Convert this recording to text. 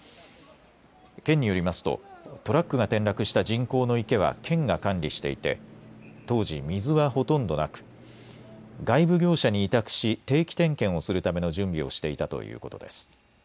県によりますとトラックが転落した人工の池は県が管理していて当時、水はほとんどなく外部業者に委託し定期点検をするための準備をしていたということです。